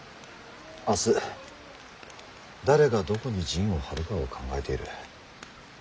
明日誰がどこに陣を張るかを考えている。